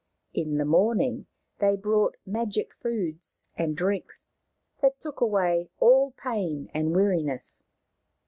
In the morning they brought magic foods and drinks that took away all pain and weariness.